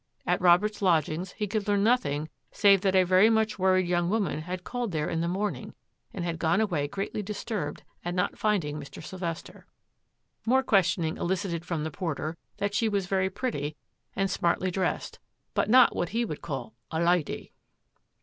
At Robert's lodgings he could learn nothing save that a very much worried young woman had called there in the morning and had gone away greatly disturbed at not finding Mr. Sylvester. More questioning elicited from the porter that she was very pretty and smartly dressed, but not what he would call a " lydy."